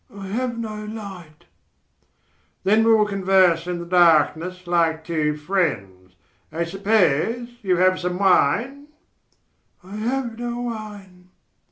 "I have no light." "Then we will converse in the darkness like two friends. I suppose you have some wine?" "I have no wine."